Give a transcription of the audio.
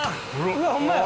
うわっホンマや。